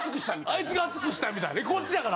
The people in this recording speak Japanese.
あいつが熱くしたみたいな。こっちやから。